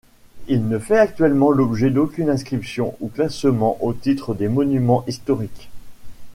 Il ne fait actuellement l'objet d'aucune inscription ou classement au titre des monuments historiques.